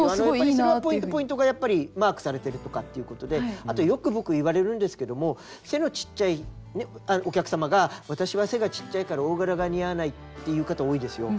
それはポイントポイントがやっぱりマークされてるとかっていうことでよく僕いわれるんですけども背のちっちゃいお客様が私は背がちっちゃいから大柄が似合わないっていう方多いですよ。